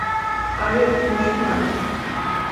আরে, বসুন না!